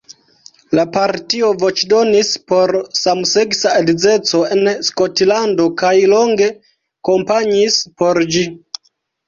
La partio voĉdonis por samseksa edzeco en Skotlando kaj longe kampanjis por ĝi.